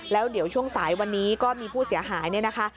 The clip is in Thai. แล้วเดี๋ยวช่วงสายวันนี้ก็มีผู้เสียหายเนี่ยนะคะ